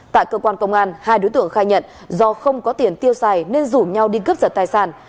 tại cơ quan công an hai đối tượng khai nhận do không có tiền tiêu xài nên rủ nhau đi cướp giật tài sản